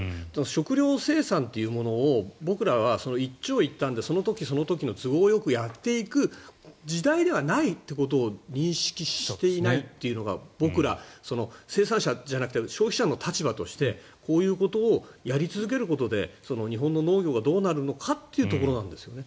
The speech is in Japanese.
食料生産というものを僕らは一長一短でその時その時の都合よくやっていく時代ではないということを認識していないというのが僕ら、生産者じゃなくて消費者の立場としてこういうことをやり続けることで日本の農業がどうなるのかというところなんですよね。